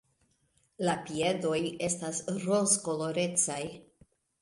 La piedoj estas rozkolorecaj.